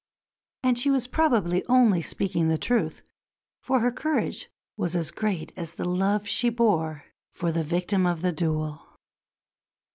And she was probably only speaking the truth, for her courage was as great as the love she bore for the victim of the duel.